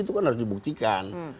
itu kan harus dibuktikan